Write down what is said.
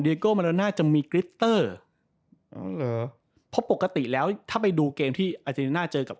ดีเกลอมันน่ะจำมีกระตุ่มธรรมเหรอพอปกติแล้วถ้าไปดูเกมที่อาร์เจน่าเจอกับ